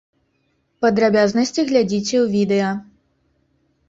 Падрабязнасці глядзіце ў відэа!